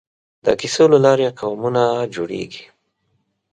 د کیسو له لارې قومونه جوړېږي.